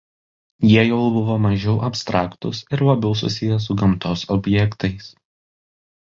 Jie jau buvo mažiau abstraktūs ir labiau susiję su gamtos objektais.